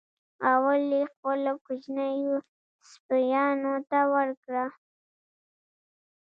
اول یې خپلو کوچنیو سپیانو ته ورکړه.